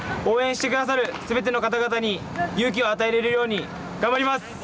応援して下さるすべての方々に勇気を与えられるように頑張ります。